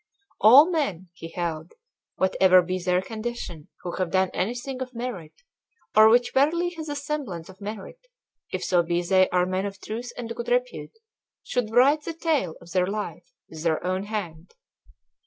"All men," he held, "whatever be their condition, who have done anything of merit, or which verily has a semblance of merit, if so be they are men of truth and good repute, should write the tale of their life with their own hand."